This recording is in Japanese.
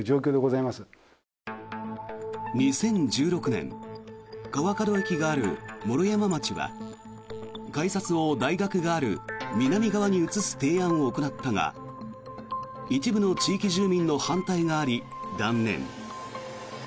２０１６年川角駅がある毛呂山町は改札を大学がある南側に移す提案を行ったが一部の地域住民の反対があり断念。